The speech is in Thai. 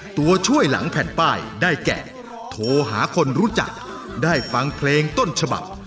ตัวช่วยหลังแผ่นป้ายได้แก่โทรหาคนรู้จักได้ฟังเพลงต้นฉบับ